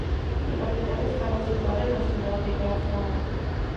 Su capital estaba situada en la ciudad de Glasgow.